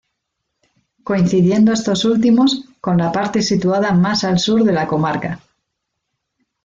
Coincidiendo estos últimos, con la parte situada más al Sur de la comarca.